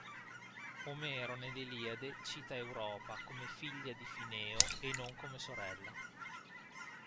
Omero nell'Iliade cita Europa come figlia di Fineo e non come sorella.